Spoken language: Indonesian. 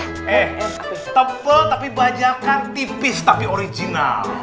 eh tebal tapi bajakan tipis tapi original